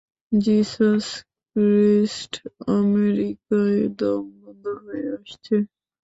Jesus Christ আমেরিকায় দম বন্ধ হয়ে আসছে।